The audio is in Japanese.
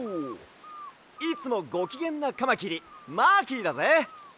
いつもごきげんなカマキリマーキーだぜ！